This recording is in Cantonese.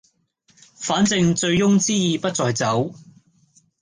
反正醉翁之意不在酒